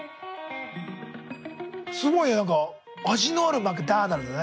すごい何か味のあるマクダーナルズだね